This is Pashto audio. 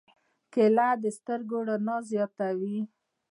کېله د سترګو رڼا زیاتوي.